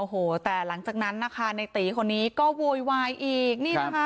โอ้โหแต่หลังจากนั้นในตีก็โวยวายอีก